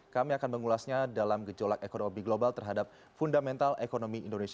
kami akan mengulasnya dalam gejolak ekonomi global terhadap fundamental ekonomi indonesia